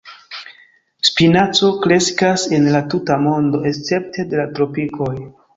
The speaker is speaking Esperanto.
Spinaco kreskas en la tuta mondo escepte de la tropikoj.